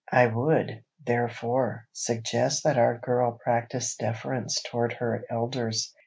I would, therefore, suggest that Our Girl practise deference toward her elders.